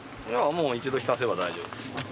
もう一度浸せば大丈夫です。